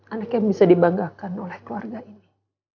anak yang bisa dibanggakan oleh keluarga ini